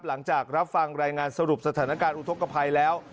หลังจากรับฟังรายงานสรุปสถานการณ์อุทธกภัยแล้ว